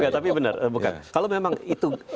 tapi benar bukan kalau memang itu